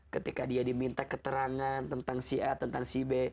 ketika dia diminta keterangan tentang si a tentang si b